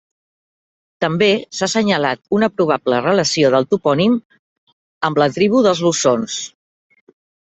També s'ha assenyalat una probable relació del topònim amb la tribu dels lusons.